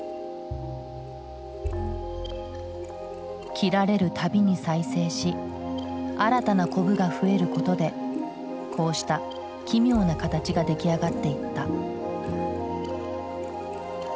切られるたびに再生し新たなコブが増えることでこうした奇妙な形が出来上がっていった。